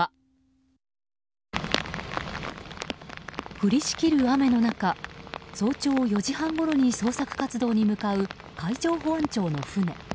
降りしきる雨の中早朝４時半ごろに捜索活動に向かう海上保安庁の舩。